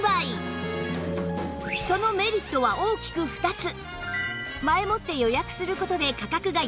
そのメリットは大きく２つ